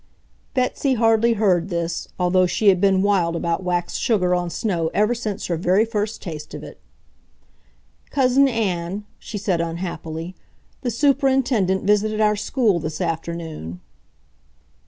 Betsy hardly heard this, although she had been wild about waxed sugar on snow ever since her very first taste of it. "Cousin Ann," she said unhappily, "the Superintendent visited our school this afternoon."